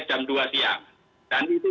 jam dua siang dan itu